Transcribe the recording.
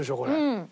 うん！